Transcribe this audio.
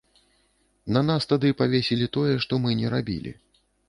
На нас тады павесілі тое, што мы не рабілі.